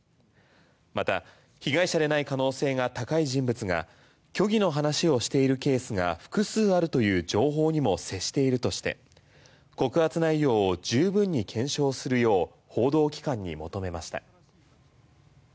また被害者でない可能性が高い人物が虚偽の話をしているケースが複数あるという情報にも接しているとして告発内容を十分に検証するよう報道機関に求めました。